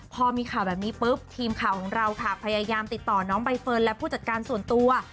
พอมีข่าวแบบนี้ปุ๊บทีมข่าวของเราค่ะพยายามติดต่อน้องใบเฟิร์นและผู้จัดการส่วนตัว